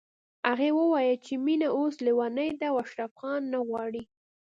هغې ويل چې مينه اوس ليونۍ ده او اشرف خان نه غواړي